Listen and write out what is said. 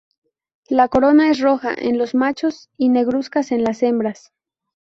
La corona es roja en los machos y negruzca en las hembras.